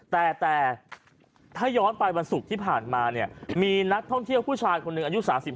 แต่ถ้าย้อนไปวันศุกร์ที่ผ่านมาเนี่ยมีนักท่องเที่ยวผู้ชายคนหนึ่งอายุ๓๕